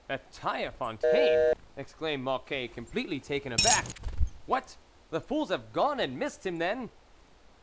" At Taille Fontaine !" exclaimed Moc quet, completely taken aback. " What ! the fools have gone and missed him, then